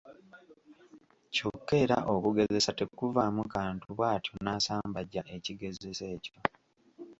Kyokka era okugezesa tekuvaamu kantu bw’atyo n’asambajja ekigezeso ekyo.